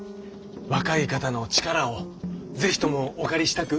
若い方の力をぜひともお借りしたく。